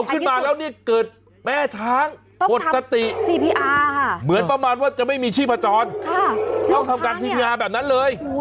ค่ะลูกช้างนี่เราทำการชิงงานแบบนั้นเลย